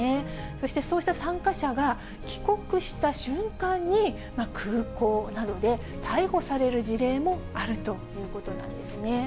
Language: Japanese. そして、そうした参加者が帰国した瞬間に、空港などで逮捕される事例もあるということなんですね。